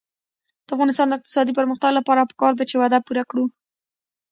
د افغانستان د اقتصادي پرمختګ لپاره پکار ده چې وعده پوره کړو.